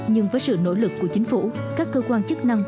nhưng với sự nỗ lực của chính phủ các cơ quan chức năng